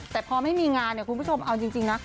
แต่พอไม่มีงานเนี่ยคุณผู้ชมเอาจริงนะ